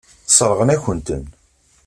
Sseṛɣen-akent-ten.